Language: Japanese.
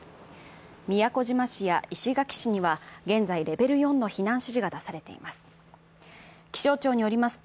宮古島市や石垣市には現在レベル４の避難指示が出されています。